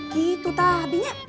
gitu ta abinya